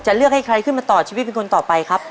เลือกให้ใครขึ้นมาต่อชีวิตเป็นคนต่อไปครับ